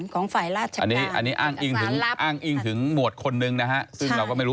ครับลองดูค่ะ